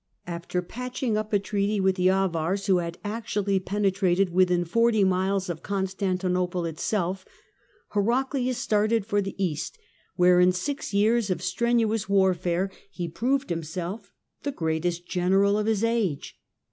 After patching up a treaty 622 627 with the Avars, who had actually penetrated within forty miles of Constantinople itself, Heraclius started for the east, where in six years of strenuous warfare he proved himself the greatest general of his age.